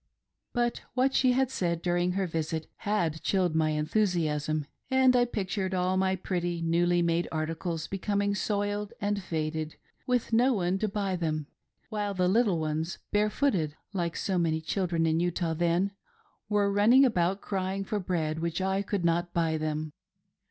But what she had said during her visit had chilled my enthusiasm, and I pictured all my pretty newly made articles becoming soiled and faded, with no one to buy them ; while the little ones, barefooted — like so many children in Utah then — were running about crying for bread which I cou4d not buy them.